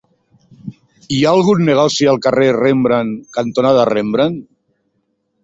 Hi ha algun negoci al carrer Rembrandt cantonada Rembrandt?